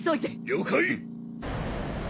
了解。